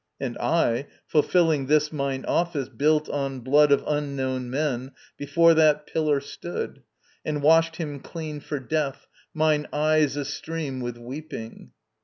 And I, Fulfilling this mine office, built on blood Of unknown men, before that pillar stood, And washed him clean for death, mine eyes astream With weeping.